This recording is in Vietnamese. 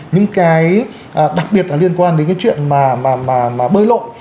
những cái đặc biệt là liên quan đến cái chuyện mà bơi lội